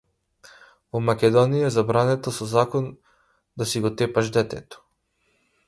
Во Македонија е забрането со закон да си го тепаш детето.